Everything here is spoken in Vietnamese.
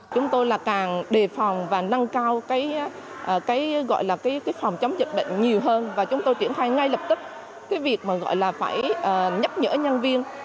chúng tôi là càng đề phòng và nâng cao cái gọi là cái phòng chống dịch bệnh nhiều hơn và chúng tôi triển khai ngay lập tức cái việc mà gọi là phải nhắc nhở nhân viên